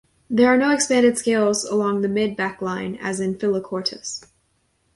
There are no expanded scales along the mid-back line as in "Philochortus".